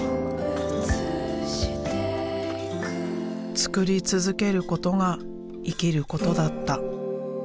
作り続けることが生きることだった。